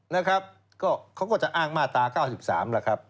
นะครับก็เขาก็จะอ้างมาตรา๙๓แล้วครับ